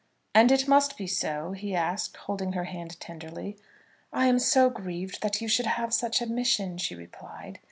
"And it must be so?" he asked, holding her hand tenderly. "I am so grieved that you should have such a mission," she replied.